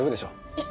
えっ？